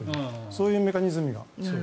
そういうメカニズムが。